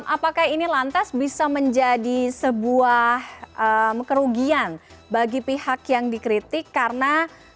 apakah ini lantas bisa menjadi sebuah kerugian bagi pihak yang dikritik karena